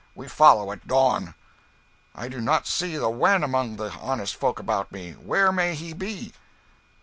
We follow at dawn." "I do not see the Wen among the honest folk about me. Where may he be?"